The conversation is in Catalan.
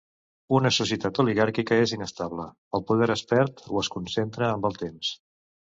Una societat oligàrquica és inestable; el poder es perd o es concentra amb el temps.